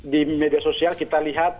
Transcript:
di media sosial kita lihat